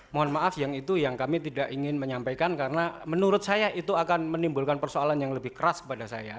mohon maaf yang itu yang kami tidak ingin menyampaikan karena menurut saya itu akan menimbulkan persoalan yang lebih keras kepada saya